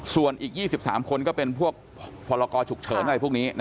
ส่วนอีก๒๓คนก็เป็นพวกพรกรฉุกเฉินอะไรพวกนี้